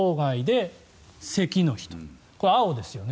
これは青ですよね。